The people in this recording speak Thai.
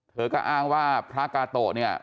เธอก็อ้างว่าพระกาโตะ